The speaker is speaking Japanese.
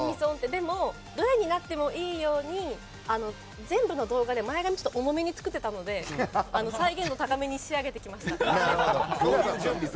でも、どれになってもいいように全部の動画で前髪重めに作ってたので再現度高めに仕上げてきました。